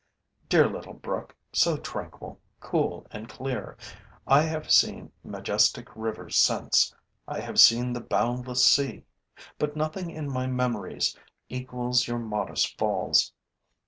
Dear little brook, so tranquil, cool and clear, I have seen majestic rivers since, I have seen the boundless sea; but nothing in my memories equals your modest falls.